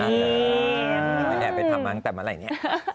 ไม่แน่เป็นทำมาตั้งแต่เมื่อไหร่นี้